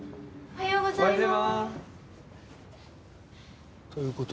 おはようございます。